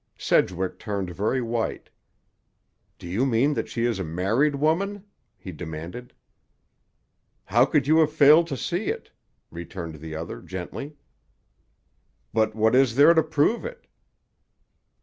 Sedgwick turned very white. "Do you mean that she is a married woman?" he demanded. "How could you have failed to see it?" returned the other gently. "But what is there to prove it?"